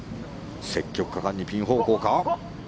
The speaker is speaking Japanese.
積極果敢にピン方向か。